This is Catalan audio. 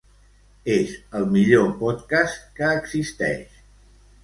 És el millor podcast que existeix.